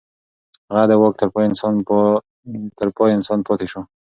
هغه د واک تر پای انسان پاتې شو.